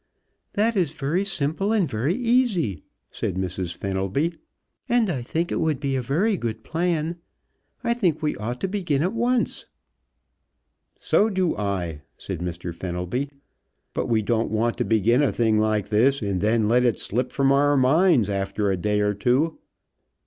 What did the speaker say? "That is very simple and very easy," said Mrs. Fenelby, "and I think it would be a very good plan. I think we ought to begin at once." "So do I," said Mr. Fenelby. "But we don't want to begin a thing like this and then let it slip from our minds after a day or two.